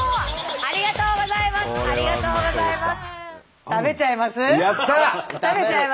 ありがとうございます。